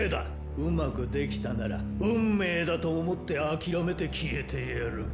うまくできたなら「運命」だと思ってあきらめて消えてやるッ！